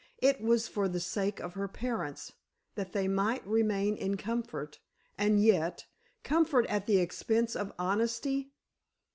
It was for the sake of her parents—that they might remain in comfort—and yet, comfort at the expense of honesty?